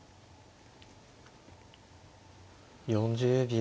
４０秒。